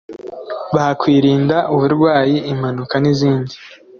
Bakwirinda uburwayi impanuka n izindi